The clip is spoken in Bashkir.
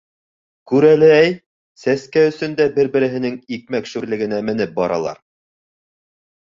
Күр әле, әй, сәскә өсөн дә бер-береһенең икмәк шүрлегенә менеп баралар.